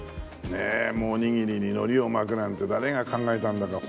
ねえもうおにぎりに海苔を巻くなんて誰が考えたんだか。